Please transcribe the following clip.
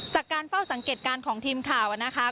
จากการเฝ้าสังเกตการณ์ของทีมข่าวนะคะ